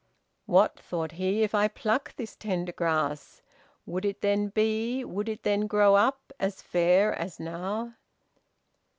"What," thought he, "if I pluck this tender grass, would it then be, would it then grow up, as fair as now."